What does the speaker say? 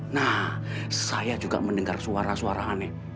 nah saya juga mendengar suara suara aneh